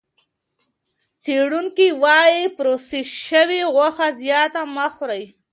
څېړونکي وايي پروسس شوې غوښه زیاته مه خورئ.